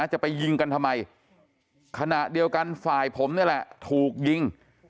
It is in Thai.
จะไปยิงกันทำไมขณะเดียวกันฝ่ายผมนี่แหละถูกยิง